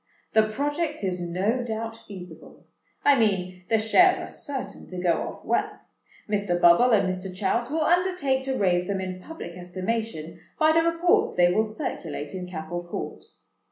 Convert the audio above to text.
The project is no doubt feasible—I mean, the shares are certain to go off well. Mr. Bubble and Mr. Chouse will undertake to raise them in public estimation, by the reports they will circulate in Capel Court.